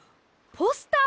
ポスター？